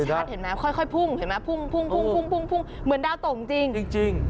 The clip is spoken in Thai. อันนี้ชัดเห็นมั้ยค่อยพุ่งเห็นมั้ยพุ่งเหมือนดาวตกจริง